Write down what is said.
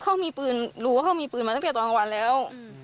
เขามีปืนรู้ว่าเขามีปืนมาตั้งแต่ตอนกลางวันแล้ว